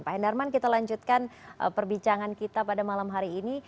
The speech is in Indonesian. pak hendarman kita lanjutkan perbincangan kita pada malam hari ini